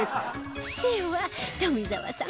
では富澤さん